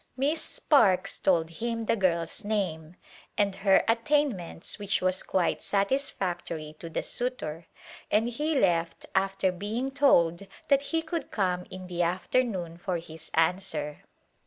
Miss Sparkes told him the girl's name and her attain ments which was quite satisfactory to the suitor, and he left after being told that he could come in the after noon for his answer.